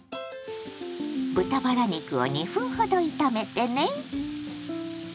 豚バラ肉を２分ほど炒めてね。